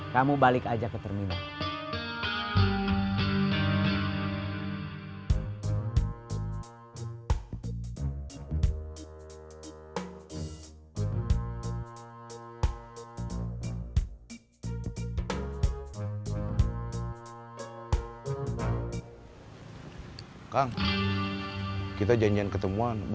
kamu balik aja ke terminal